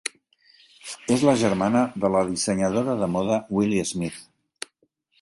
És la germana de la dissenyadora de moda Willi Smith.